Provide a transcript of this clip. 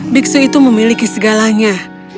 biksu itu memiliki segalanya